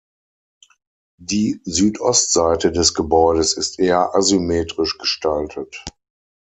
Die Südostseite des Gebäudes ist eher asymmetrisch gestaltet.